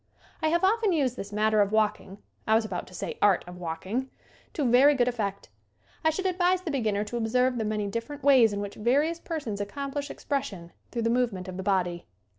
I have often used this matter of walking I was about to say art of walking to very good effect. I should ad vise the beginner to observe the many different SCREEN ACTING 89 ways in which various persons accomplish ex pression through the movement of the body.